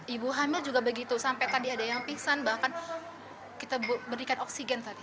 ibu hamil juga begitu sampai tadi ada yang pingsan bahkan kita berikan oksigen tadi